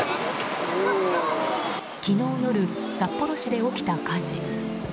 昨日夜、札幌市で起きた火事。